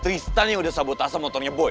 tristan yang udah sabotase motornya boy